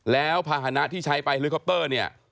แล้วภาษณะที่ใช้ไปเฮลิคอปเตอร์เนี่ย